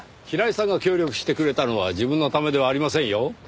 平井さんが協力してくれたのは自分のためではありませんよ。